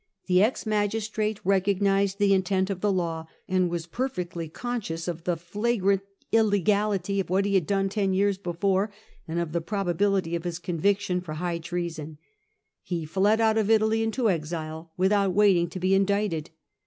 The ex magistrato recognised the intent of the law, and was perfectly conscious of the flagrant illegality of what he had done tan years before, and of the probability of his conviction for high treason. He fled out of Italy into exile, without waiting to be indicted.